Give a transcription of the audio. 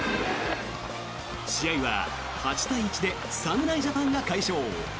試合は８対１で侍ジャパンが快勝。